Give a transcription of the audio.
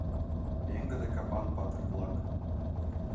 Пеҥгыде капан патыр-влак